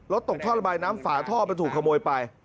ตกท่อระบายน้ำฝาท่อมันถูกขโมยไป